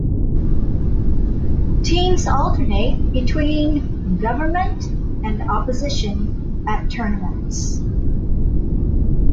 Teams alternate between government and opposition at tournaments.